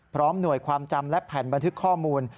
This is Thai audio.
หน่วยความจำและแผ่นบันทึกข้อมูล